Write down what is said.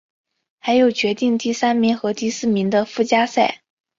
还有决定第三名和第四名的附加赛。